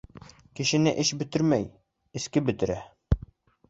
Кешене эш бөтөрмәй, эске бөтөрә.